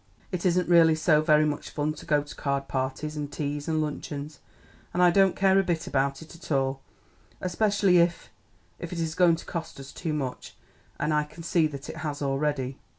It isn't really so very much fun to go to card parties and teas and luncheons, and I don't care a bit about it all, especially if if it is going to cost us too much; and I can see that it has already."